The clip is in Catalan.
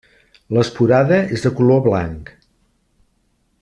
L'esporada és de color blanc.